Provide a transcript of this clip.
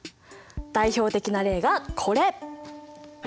代表的な例がこれ！